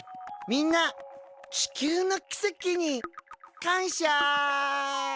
みんな地球のきせきに感謝！